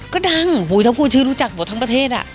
ก็ดังถ้าพูดชื่อรู้จักหมดทั้งประเทศอ่ะ